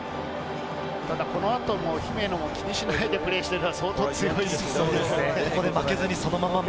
ただ、このあと姫野も気にしないでプレーしているので、相当強いですよね。